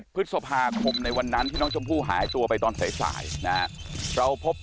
๑๑พฤษภาคมในวันนั้นที่น้องชมผู้หายตัวไปตอนใส่เราพบ